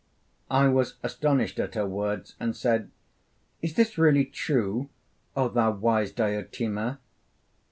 I was astonished at her words, and said: 'Is this really true, O thou wise Diotima?'